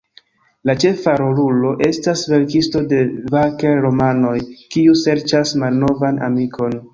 La ĉefa rolulo estas verkisto de vaker-romanoj, kiu serĉas malnovan amikon.